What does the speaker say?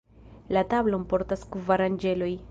La tablon portas kvar anĝeloj.